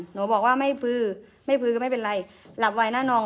หนูบอกว่าไม่พื้อไม่พือก็ไม่เป็นไรหลับไวหน้าน้อง